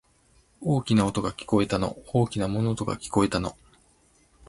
大きな音が、聞こえたの。大きな物音が、聞こえたの。